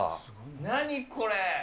何これ。